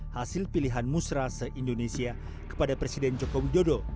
hasil pilihan musrah se indonesia kepada presiden jokowi jodoh